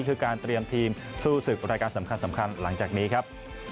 คือการเตรียมทีมสู้ศึกรายการสำคัญหลังจากนี้ครับ